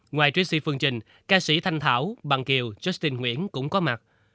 ngoài tracy phương trình ca sĩ thanh thảo bạn kiều justin nguyễn cũng có mặt